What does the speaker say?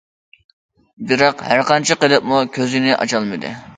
بىراق ھەر قانچە قىلىپمۇ كۆزىنى ئاچالمىدى.